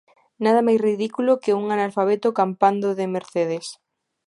Nada máis ridículo que un analfabeto campando de mercedes.